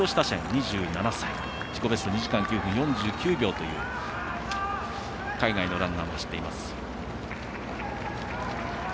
２７歳、自己ベスト２時間４分４９秒という海外のランナーも走っています。